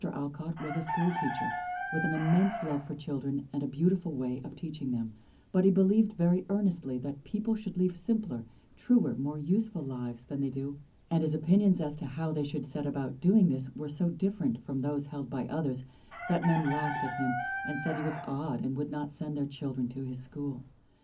Alcott was a school teacher with an immense love for children and a beautiful way of teaching them, but he believed very earnest ly that people should lead simpler, truer, more useful lives than they do, and his opinions as to how they should set about doing this were so different from those held by others that men laughed at him and said he was odd and would not send their children to his school.